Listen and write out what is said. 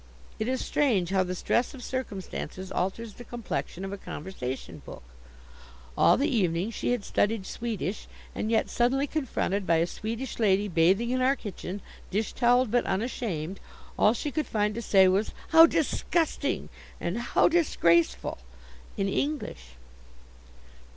It is strange how the stress of circumstances alters the complexion of a conversation book! All the evening she had studied Swedish, and yet suddenly confronted by a Swedish lady bathing in our kitchen, dish toweled but unashamed, all she could find to say was "How disgusting!" and "How disgraceful!" in English!